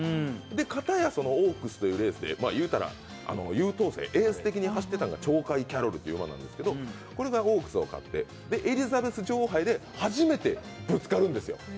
片やオークスというレースで、言うたら優等生、エース的に走ってたのがチョウカイキャロルっていう馬なんですがこれがオークスを勝って、エリザベス女王杯で初めてぶつかるんですよ。